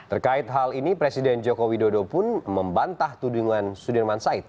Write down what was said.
terkait hal ini presiden jokowi dodo pun membantah tudungan sudirman said